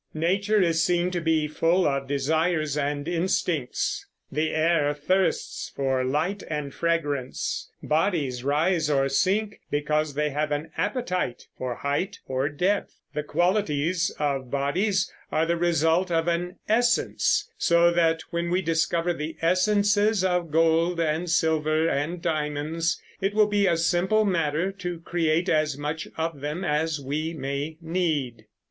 Nature is seen to be full of desires and instincts; the air "thirsts" for light and fragrance; bodies rise or sink because they have an "appetite" for height or depth; the qualities of bodies are the result of an "essence," so that when we discover the essences of gold and silver and diamonds it will be a simple matter to create as much of them as we may need.